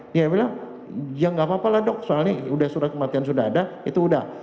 dia bilang ya nggak apa apa lah dok soalnya sudah surat kematian sudah ada itu udah